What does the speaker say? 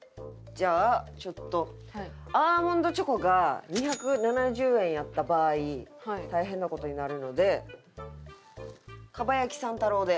じゃあちょっとアーモンドチョコが２７０円やった場合大変な事になるので蒲焼さん太郎で。